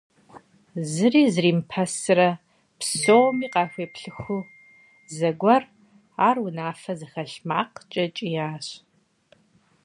Зыри зримыпэсрэ псоми къахуеплъыхыу, зэгуэр ар унафэ зыхэлъ макъкӏэ кӏиящ.